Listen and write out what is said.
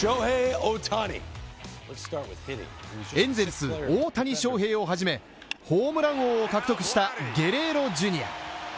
エンゼルス大谷翔平をはじめ、ホームラン王を獲得したゲレーロＪｒ．。